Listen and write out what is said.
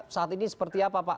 saat ini seperti apa pak